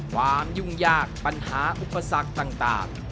ความยุ่งยากปัญหาอุปสรรคต่าง